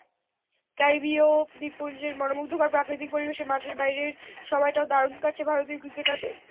ক্যারিবীয় দ্বীপপুঞ্জের মনোমুগ্ধকর প্রাকৃতিক পরিবেশে মাঠের বাইরের সময়টাও দারুণ কাটছে ভারতীয় ক্রিকেটারদের।